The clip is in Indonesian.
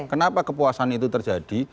kenapa kepuasan itu terjadi